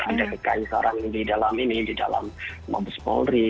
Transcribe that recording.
ada kekaisaran di dalam ini di dalam mabes polri